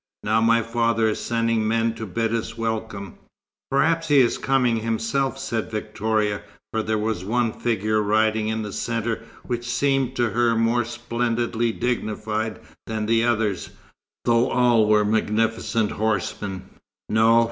"Now my father is sending men to bid us welcome." "Perhaps he is coming himself," said Victoria, for there was one figure riding in the centre which seemed to her more splendidly dignified than the others, though all were magnificent horsemen. "No.